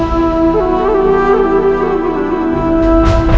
bunda merindukan bunda